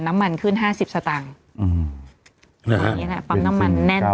น้ำมันขึ้นห้าสิบสตางค์อืมตอนนี้น่ะปั๊มน้ำมันแน่น